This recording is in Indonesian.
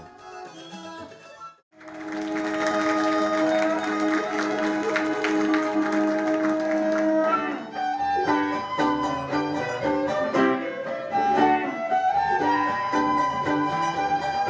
mereka bisa menggunakan lagu keroncong